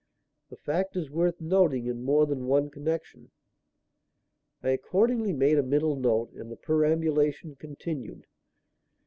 The fact is worth noting in more than one connection." I accordingly made a mental note and the perambulation continued.